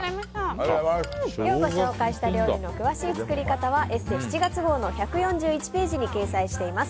今日ご紹介した料理の詳しい作り方は「ＥＳＳＥ」７月号の１４１ページに掲載しています。